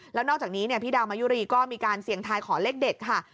แล้วนอกจากนี้พี่ดาวมายุรีก็มีการเสี่ยงทายขอเลขเด็ดค่ะ